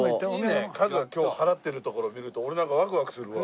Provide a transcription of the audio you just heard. カズが今日払ってるところ見ると俺なんかワクワクするわ。